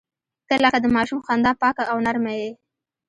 • ته لکه د ماشوم خندا پاکه او نرمه یې.